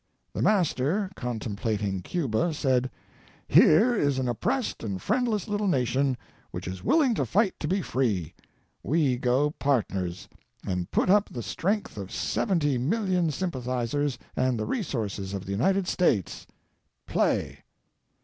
The Master, contemplating Cuba, said: "Here is an oppressed and friendless little nation which is willing to fight to be free; we go partners, and put up the strength of seventy million sym pathizers and the resources of the United States : play